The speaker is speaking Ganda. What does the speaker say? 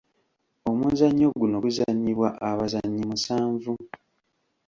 Omuzannyo guno guzannyibwa abazannyi musanvu.